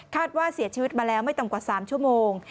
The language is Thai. ว่าเสียชีวิตมาแล้วไม่ต่ำกว่า๓ชั่วโมง